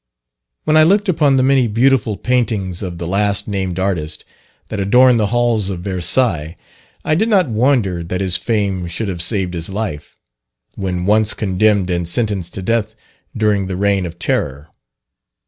When I looked upon the many beautiful paintings of the last named artist, that adorn the halls of Versailles, I did not wonder that his fame should have saved his life, when once condemned and sentenced to death during the reign of terror.